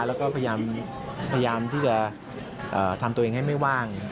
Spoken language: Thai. แล้วก็พยายามที่จะทำตัวเองให้ไม่ว่าง